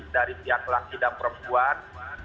dari pihak laki dan perempuan